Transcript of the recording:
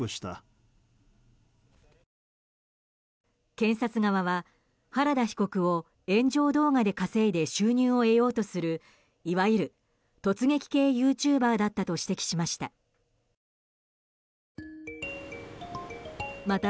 検察側は、原田被告を炎上動画で稼いで収入を得ようとするいわゆる突撃系ユーチューバーだったと指摘しました。